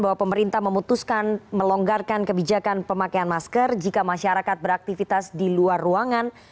bahwa pemerintah memutuskan melonggarkan kebijakan pemakaian masker jika masyarakat beraktivitas di luar ruangan